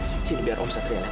sini biar om satria lihat